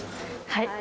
はい。